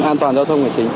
an toàn giao thông này chính